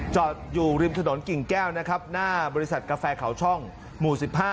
จอดอยู่ริมถนนกิ่งแก้วนะครับหน้าบริษัทกาแฟเขาช่องหมู่๑๕